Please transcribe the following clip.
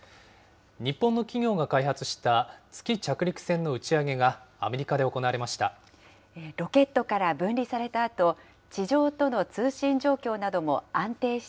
日本の企業が開発した月着陸船の打ち上げがアメリカで行われまし